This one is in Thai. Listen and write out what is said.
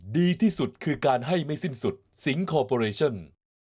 ดีที่สุดคือการให้ไม่สิ้นสุดสิงคอร์ปอเรชั่น